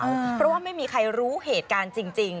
เพราะว่าไม่มีใครรู้เหตุการณ์จริง